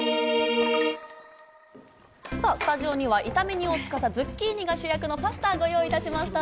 スタジオには炒め煮を使ったズッキーニが主役のパスタをご用意しました。